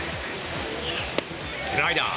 スライダー！